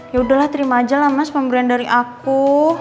yaudah lah terima aja lah mas pemberian dari aku